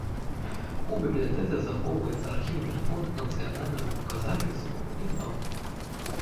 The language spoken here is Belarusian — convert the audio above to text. У бібліятэцы захоўваецца архіўны фонд нацыянальных гуказапісаў і нот.